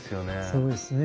そうですね。